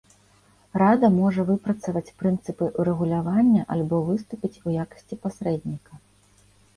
Рада можа выпрацаваць прынцыпы ўрэгулявання альбо выступіць у якасці пасрэдніка.